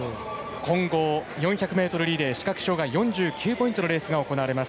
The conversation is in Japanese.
混合４００ｍリレー４９ポイントのレースが行われます。